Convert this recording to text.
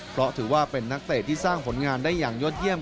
เพราะถือว่าเป็นนักเตะที่สร้างผลงานได้อย่างยอดเยี่ยม